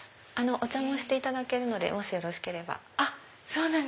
お茶もしていただけるのでもしよろしければ。